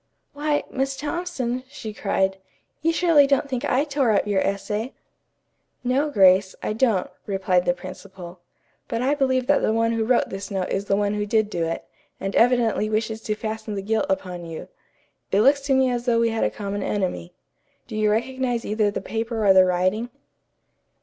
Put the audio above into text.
"Why, Miss Thompson," she cried, "you surely don't think I tore up your essay?" "No, Grace, I don't," replied the principal. "But I believe that the one who wrote this note is the one who did do it, and evidently wishes to fasten the guilt upon you. It looks to me as though we had a common enemy. Do you recognize either the paper or the writing?"